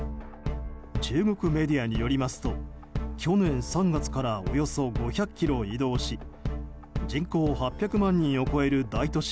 中国メディアによりますと去年３月からおよそ５００ｋｍ移動し人口８００万人を超える大都市